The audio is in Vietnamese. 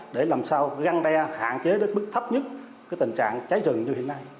để làm sao găng đe hạn chế đến mức thấp nhất tình trạng cháy rừng như hiện nay